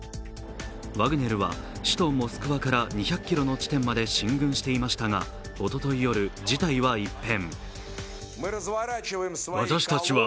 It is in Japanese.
ワグネルは首都・モスクワから２００ｋｍの地点まで進軍していましたがおととい夜、事態は一変。